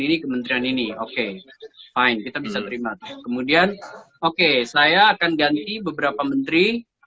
ini kementerian ini oke fine kita bisa terima kemudian oke saya akan ganti beberapa menteri